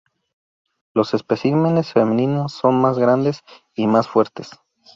Los especímenes femeninos son más grandes y más fuertes.